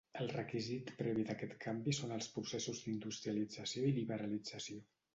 El requisit previ d'aquest canvi són els processos d'industrialització i liberalització.